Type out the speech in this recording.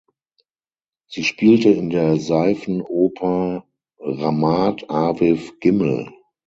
Sie spielte in der Seifenoper „Ramat Aviv Gimmel“.